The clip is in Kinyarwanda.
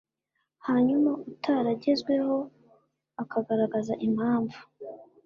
hanyuma utaragezweho akagaragaza impamvu